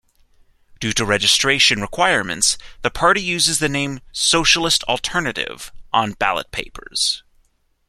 Due to registration requirements, the party uses the name "Socialist Alternative" on ballot papers.